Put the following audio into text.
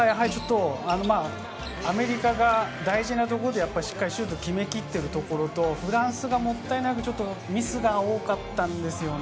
アメリカが大事なところでしっかりシュートを決めきっているところとフランスがもったいないミスが多かったんですよね。